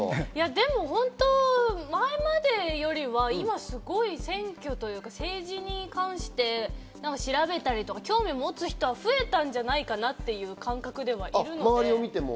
本当、前までよりは今すごい、選挙というか政治に関して、調べたりとか興味を持つ人が増えたんじゃないかなっていう感覚ではいるので。